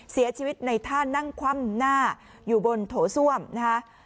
เสียชีวิตในท่านั่งคว่ำหน้าอยู่บนโถส้วมนะคะ